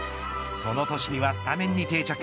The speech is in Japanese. その年にはスタメンに定着。